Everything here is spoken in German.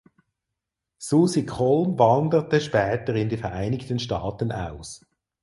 Susi Collm wanderte später in die Vereinigten Staaten aus.